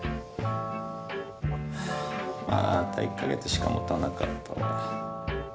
はぁまた１か月しかもたなかったわ。